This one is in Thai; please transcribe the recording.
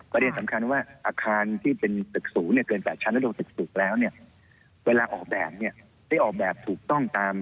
ประเด็นสำคัญว่าอาคารที่เป็นตึกสูงเกิน๘ชั้นและโดยตึกสูงแล้วเวลาออกแบบได้ออกแบบถูกต้องตาม